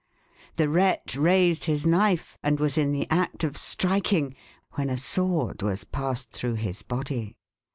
The wretch raised his knife, and was in the act of striking when a sword was passed through his body.